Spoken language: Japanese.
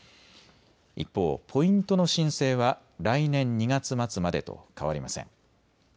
一方、ポイントの申請は来年２月末までと変わりません。